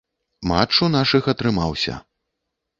Матч у нашых атрымаўся.